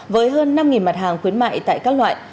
với hơn năm mặt hàng khuyến mại tại các loại